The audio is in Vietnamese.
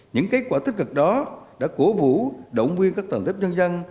những kết quả tích cực đó đã cổ vũ động viên các tổ chức nhân dân